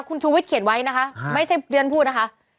คุณชูวิทยเขียนไว้นะคะไม่ใช่เรียนพูดนะคะ